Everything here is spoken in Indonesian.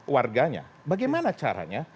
warganya bagaimana caranya